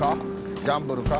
ギャンブルか？